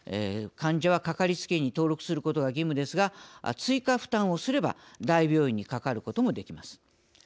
患者はかかりつけ医に登録することが義務ですが追加負担をすれば大病院にかかることもできます。